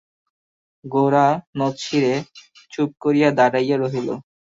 গোরা নতশিরে চুপ করিয়া দাঁড়াইয়া রহিল।